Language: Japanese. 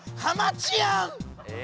え？